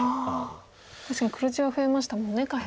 確かに黒地は増えましたもんね下辺。